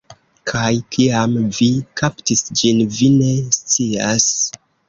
Kaj kiam vi kaptis ĝin, vi ne scias.